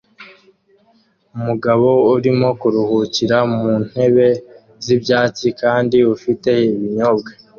Umuryango urimo kuruhukira mu ntebe z'ibyatsi kandi ufite ibinyobwa